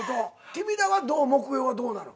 君らは目標はどうなの？